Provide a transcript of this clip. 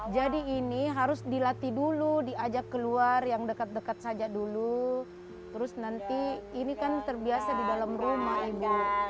jadi ini harus dilatih dulu diajak keluar yang dekat dekat saja dulu terus nanti ini kan terbiasa di dalam rumah ibu